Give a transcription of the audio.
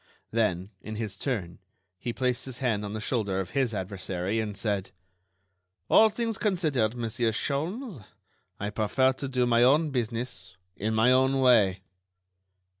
Then, in his turn, he placed his hand on the shoulder of his adversary, and said: "All things considered, Monsieur Sholmes, I prefer to do my own business in my own way."